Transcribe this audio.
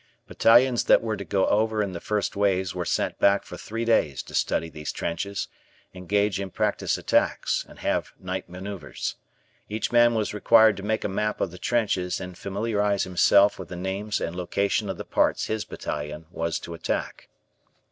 Battalions that were to go over in the first waves were sent back for three days to study these trenches, engage in practice attacks, and have night maneuvers. Each man was required to make a map of the trenches and familiarize himself with the names and location of the parts his battalion was to attack.